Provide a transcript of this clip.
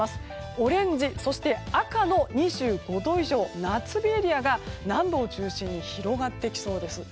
オレンジ、そして赤の２５度以上夏日エリアが南部を中心に広がっていきそうです。